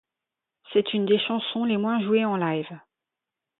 C'est une des chansons les moins jouées en live.